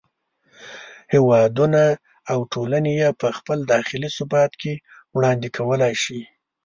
هېوادونه او ټولنې یې په خپل داخلي ثبات کې وړاندې کولای شي.